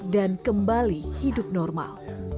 dan kembali hidup normal